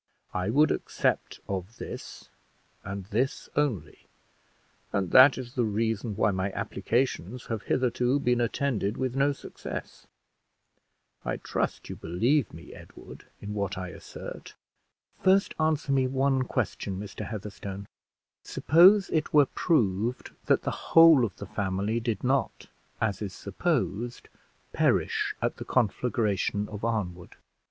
I would accept of this, and this only; and that is the reason why my applications have hitherto been attended with no success. I trust you believe me, Edward, in what I assert?" "First answer me one question, Mr. Heatherstone. Suppose it were proved that the whole of the family did not, as it is supposed, perish at the conflagration of Arnwood?